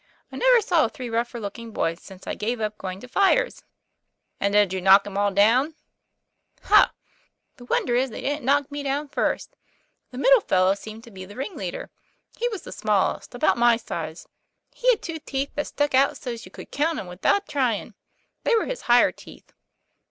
I never saw three rougher looking boys since I gave up going to fires." TOM PLA YFAIR. 159 *' And did you knock 'em all down ?" "Huh!! The wonder is they didn't knock me down first thing. The middle fellow seemed to be the ringleader. He was the smallest, about my size. He had two teeth that stuck out so's you could count 'em without trying. They were his higher teeth."